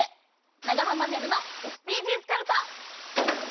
長濱ねるのＳＤＧｓかるた。